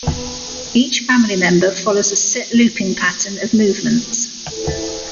Each family member follows a set looping pattern of movements.